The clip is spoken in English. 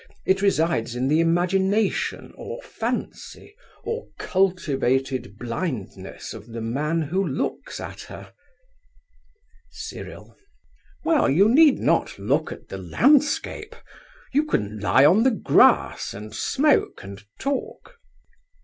It resides in the imagination, or fancy, or cultivated blindness of the man who looks at her. CYRIL. Well, you need not look at the landscape. You can lie on the grass and smoke and talk.